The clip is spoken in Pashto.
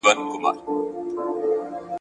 بد بویي وه که سهار وو که ماښام وو ..